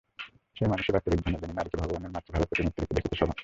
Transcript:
সেই মানুষই বাস্তবিক ধন্য, যিনি নারীকে ভগবানের মাতৃভাবের প্রতিমূর্তিরূপে দেখিতে সমর্থ।